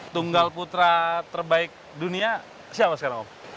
tunggal putra terbaik dunia siapa sekarang om